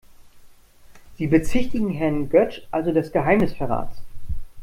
Sie bezichtigen Herrn Götsch also des Geheimnisverrats?